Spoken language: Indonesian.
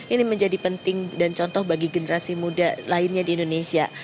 ini menjadi penting dan contoh bagi generasi muda lainnya di indonesia